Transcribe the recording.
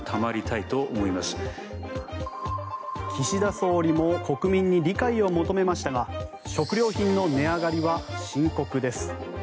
岸田総理も国民に理解を求めましたが食料品の値上がりは深刻です。